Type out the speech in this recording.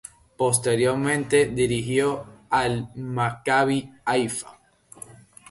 Posteriormente dirigió al Maccabi Haifa.